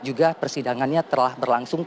juga persidangannya telah berlangsung